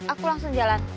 aku langsung jalan